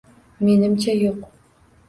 Menimcha yo‘q.